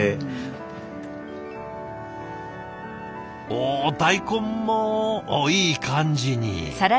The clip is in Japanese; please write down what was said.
お大根もおっいい感じに。